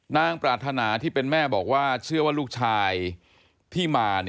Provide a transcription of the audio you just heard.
ปรารถนาที่เป็นแม่บอกว่าเชื่อว่าลูกชายที่มา